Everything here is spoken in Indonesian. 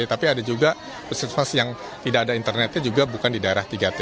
tapi ada juga puskesmas yang tidak ada internetnya juga bukan di daerah tiga t